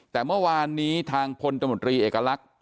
แต่เมื่อวานนี้ทางพลตมตรีเอกลักษณ์